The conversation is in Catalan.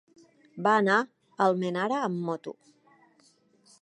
Va anar a Almenara amb moto.